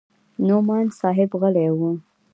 نعماني صاحب غلى و.